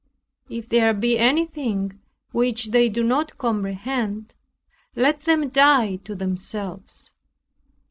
If there be anything which they do not comprehend, let them die to themselves.